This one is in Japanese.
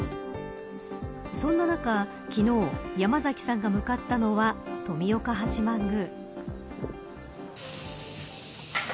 そんな中、昨日山崎さんが向かったのは富岡八幡宮。